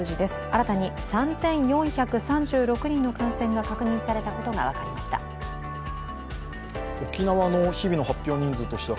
新たに３４３６人の感染が確認されたことが分かりました。